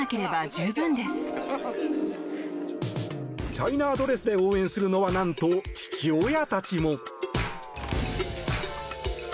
チャイナドレスで応援するのは、何と父親たちも。